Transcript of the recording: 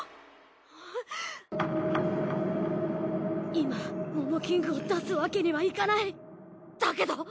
今モモキングを出すわけにはいかないだけど。